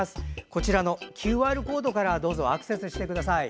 こちらのＱＲコードからどうぞアクセスしてください。